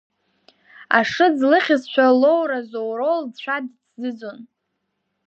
Ашыӡ лыхьызшәа лоуразоуроу лцәа дыҭӡыӡон.